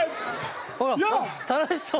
ほら楽しそう！